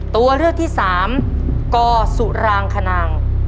ตัวเลือกที่สามกสุรางคณัง